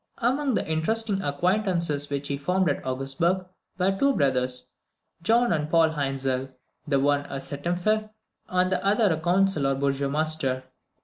Among the interesting acquaintances which he formed at Augsburg, were two brothers, John and Paul Hainzel, the one a septemvir, and the other the consul or burgomaster.